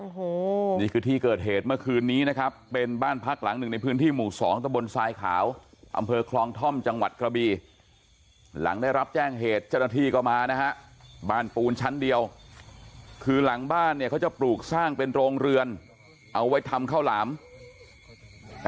โอ้โหนี่คือที่เกิดเหตุเมื่อคืนนี้นะครับเป็นบ้านพักหลังหนึ่งในพื้นที่หมู่สองตะบนทรายขาวอำเภอคลองท่อมจังหวัดกระบีหลังได้รับแจ้งเหตุเจ้าหน้าที่ก็มานะฮะบ้านปูนชั้นเดียวคือหลังบ้านเนี่ยเขาจะปลูกสร้างเป็นโรงเรือนเอาไว้ทำข้าวหลามแต่